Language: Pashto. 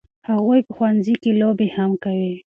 هغوی په ښوونځي کې لوبې هم کوي.